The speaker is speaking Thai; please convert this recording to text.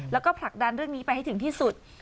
แล้วก็ผลักดันเรื่องนี้ไปให้ถึงที่สุด